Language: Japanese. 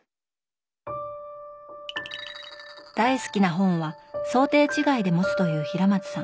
大好きな本は装丁違いで持つという平松さん。